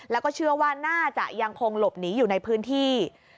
แล้วก็เชื่อว่าน่าจะยังคงหลบหนีอยู่ในพื้นที่